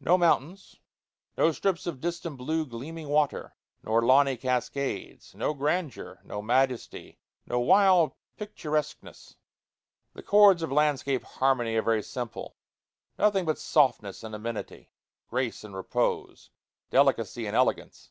No mountains; no strips of distant blue gleaming water nor lawny cascades; no grandeur; no majesty; no wild picturesqueness. The chords of landscape harmony are very simple; nothing but softness and amenity, grace and repose, delicacy and elegance.